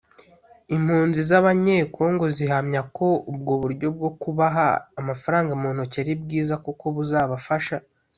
Impunzi z’Abanyekongo zihamya ko ubwo buryo bwo kubaha amafaranga mu ntoki ari bwiza kuko buzabafasha